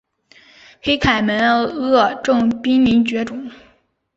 黑凯门鳄现正濒临绝种。